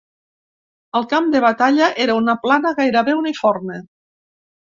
El camp de batalla era una plana gairebé uniforme.